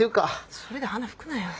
それで鼻拭くなよ。